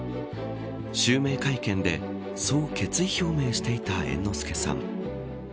襲名会見でそう決意表明していた猿之助さん。